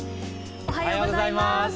おはようございます。